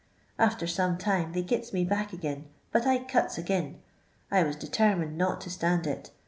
After some time they gits me back ag'in, but I cuts ag'in. I was determined not to stand it.